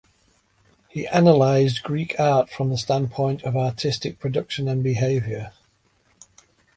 He analyzed Greek art from the standpoint of artistic production and behavior.